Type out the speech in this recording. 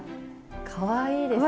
かわいいですね。